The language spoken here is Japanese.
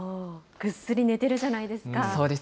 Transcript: ぐっすり寝てるじゃないですか。